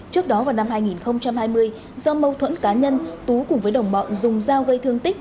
trước đó vào năm hai nghìn hai mươi do mâu thuẫn cá nhân tú cùng với đồng bọn dùng dao gây thương tích